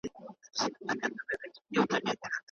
سينټ اګوستين مشهور مسيحي عالم و.